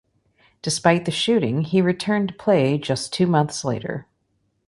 Despite the shooting he returned to play just two months later.